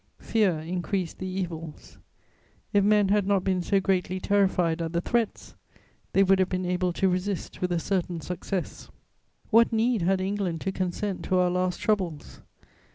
Fear increased the evils: if men had not been so greatly terrified at the threats, they would have been able to resist with a certain success. What need had England to consent to our last troubles?